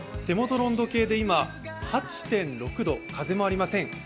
手元の温度計で今８．６度、風もありません。